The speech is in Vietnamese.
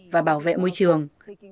và bảo vệ môi trường